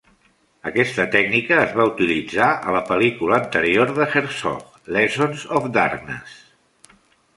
Aquesta tècnica es va utilitzar a la pel·lícula anterior de Herzog "Lessons of Darkness".